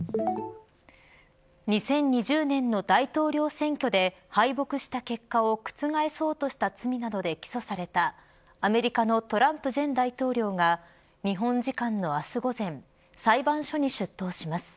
２０２０年の大統領選挙で敗北した結果を覆そうとした罪などで起訴されたアメリカのトランプ前大統領が日本時間の明日午前裁判所に出頭します。